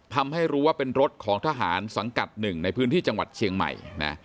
ทำให้รู้ว่าเป็นรถของทหารสังกัดหนึ่งในพื้นที่จังหวัดเชียงใหม่นะ